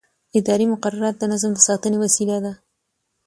اداري مقررات د نظم د ساتنې وسیله ده.